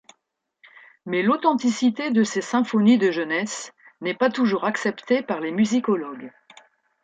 Mais l'authenticité de ces symphonies de jeunesse n'est pas toujours acceptée par les musicologues.